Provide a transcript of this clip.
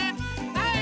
はい！